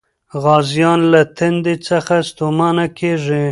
غازيان له تندې څخه ستومانه کېږي.